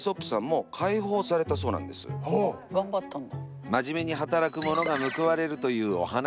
頑張ったんだ。